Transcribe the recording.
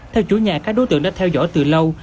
theo chủ nhà các đối tượng đã theo dõi từ lâu